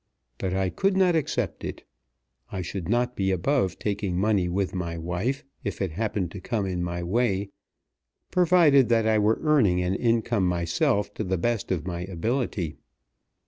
But I could not accept it. I should not be above taking money with my wife, if it happened to come in my way, provided that I were earning an income myself to the best of my ability.